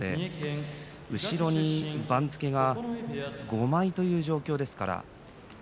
後ろに番付が５枚という状況です。